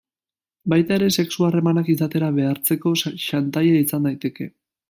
Baita ere sexu harremanak izatera behartzeko xantaia izan daiteke.